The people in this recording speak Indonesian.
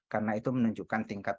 karena itu menunjukkan tingkat